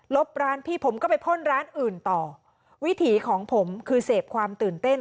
ร้านพี่ผมก็ไปพ่นร้านอื่นต่อวิถีของผมคือเสพความตื่นเต้น